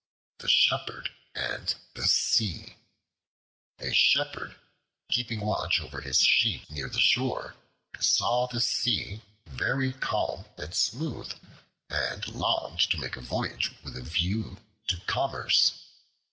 The Shepherd and the Sea A SHEPHERD, keeping watch over his sheep near the shore, saw the Sea very calm and smooth, and longed to make a voyage with a view to commerce.